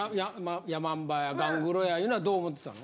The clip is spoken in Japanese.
ヤマンバやガングロやいうのはどう思ってたん？